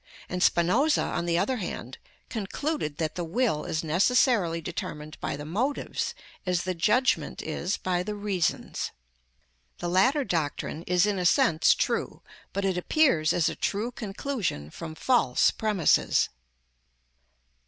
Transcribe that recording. And Spinoza, on the other hand, concluded that the will is necessarily determined by the motives, as the judgment is by the reasons.(70) The latter doctrine is in a sense true, but it appears as a true conclusion from false premises.